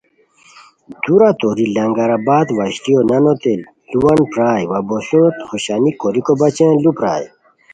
دُورہ توری لنگر آباد وشلیو نانوتین ُ لووان پرائے وا بوسونوت خوشانی کوریکو بچین ُلو پرائے